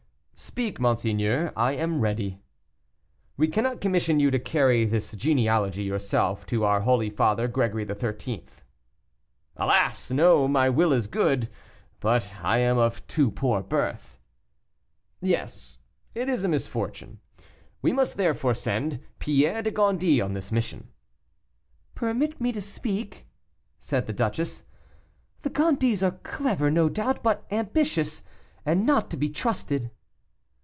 "Speak, monseigneur, I am ready." "We cannot commission you to carry this genealogy yourself to our holy Father, Gregory XIII." "Alas! no; my will is good, but I am of too poor birth." "Yes, it is a misfortune. We must therefore send Pierre de Gondy on this mission." "Permit me to speak," said the duchess. "The Gondys are clever, no doubt, but ambitious, and not to be trusted."